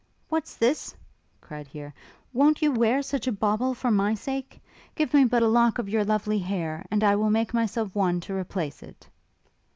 'What's this?' cried he: 'Won't you wear such a bauble for my sake? Give me but a lock of your lovely hair, and I will make myself one to replace it.'